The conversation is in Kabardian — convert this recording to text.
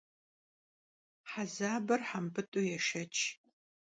Hezabır hembıt'u yêşşeç.